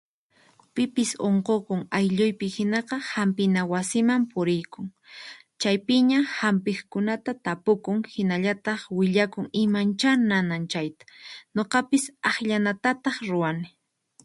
Pipis unququn aylluypi hinaqa hampina wasiman puriykun, chaypiña hampiqkunata tapukun hinallataq willakun imanchá nanan chayta, nuqapis aknallatataq ruwani.